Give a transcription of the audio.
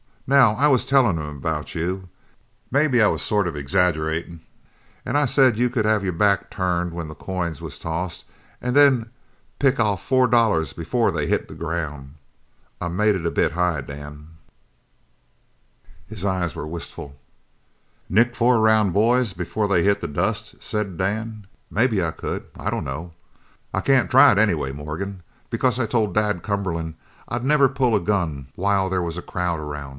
Now I was tellin' him about you maybe I was sort of exaggeratin' an' I said you could have your back turned when the coins was tossed an' then pick off four dollars before they hit the ground. I made it a bit high, Dan?" His eyes were wistful. "Nick four round boys before they hit the dust?" said Dan. "Maybe I could, I don't know. I can't try it, anyway, Morgan, because I told Dad Cumberland I'd never pull a gun while there was a crowd aroun'."